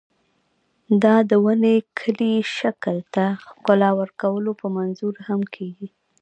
دا د ونې کلي شکل ته ښکلا ورکولو په منظور هم کېږي.